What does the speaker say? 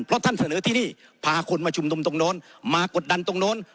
เพราะท่านเสนอที่นี่พาคนมาชุมนุมตรงโน้นมากดดันตรงโน้น